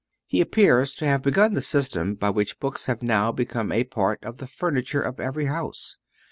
He appears to have begun the system by which books have now become a part of the furniture of every house.